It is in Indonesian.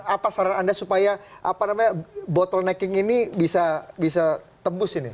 apa saran anda supaya bottlenecking ini bisa tembus ini